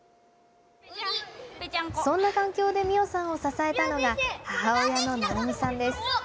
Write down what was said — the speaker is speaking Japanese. そんな環境で美青さんを支えたのが母親の直美さんです。